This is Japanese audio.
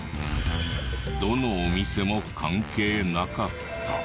どのお店も関係なかった。